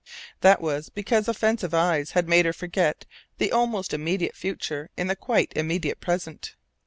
That was because offensive eyes had made her forget the almost immediate future in the quite immediate present.